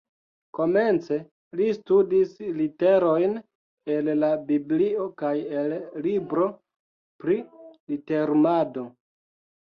Komence, li studis literojn el la biblio kaj el libro pri literumado